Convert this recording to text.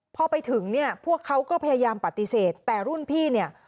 พอไปถึงเนี่ยพวกเขาก็พยายามปฏิเสธแต่รุ่นพี่เนี่ย